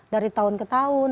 dari tahun ke tahun